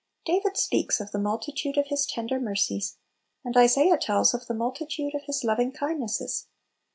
David speaks of "the multitude of Little Pillows. 35 His tender mercies," and Isaiah tells of "the multitude of His loving kind nesses."